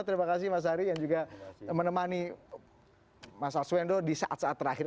terima kasih mas ari yang juga menemani mas arswendo di saat saat terakhir